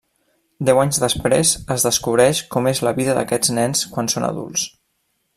Deu anys després, es descobreix com és la vida d'aquests nens quan són adults.